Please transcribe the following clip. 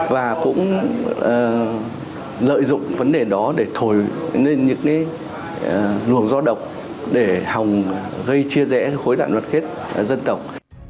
và cũng lợi dụng vấn đề đó để thổi lên những luồng do độc để hòng gây chia rẽ khối đại đoàn kết dân tộc